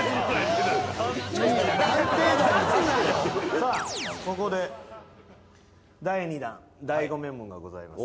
さあここで第２弾大悟ＭＥＭＯがございます。